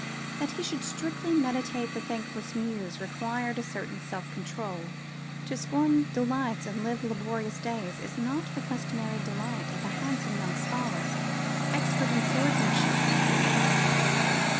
That he should "strictly meditate the thankless Muse" required a certain self control. "To scorn delights and live laborious days" is not the customary delight of a handsome young scholar, expert in swordsmanship as in languages.